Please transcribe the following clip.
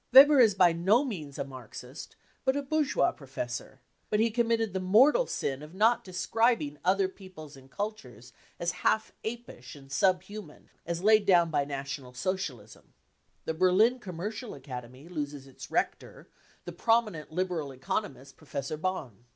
Weber is by no means a Marxist, but a bourgeois professor ; but he committed the mortal 170 BROWN BOOK OF THE HITLER TERROR sra of not describing other peoples and cultures as half apish and sub human " as laid down by National Social ism. The Berlin Commercial Academy loses its rector, the prominent liberal economist Professor Bonn.